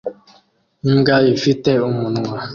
Imbwa ifite umunwa